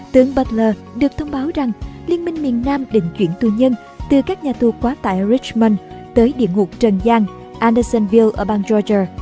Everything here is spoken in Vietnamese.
tướng butler được thông báo rằng liên minh miền nam định chuyển tù nhân từ các nhà tù quá tại richmond tới địa ngục trần giang